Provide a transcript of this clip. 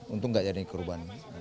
untung nggak jadi korban